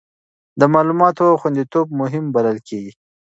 د معلوماتو خوندیتوب مهم بلل کېږي.